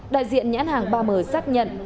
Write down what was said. đại diện nhãn hàng ba m xác nhận